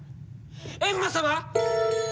閻魔様！